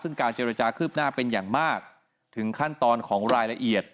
ซึ่งการเจรจาคืบหน้าเป็นอย่างมากถึงขั้นตอนของรายละเอียด